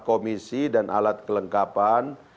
komisi dan alat kelengkapan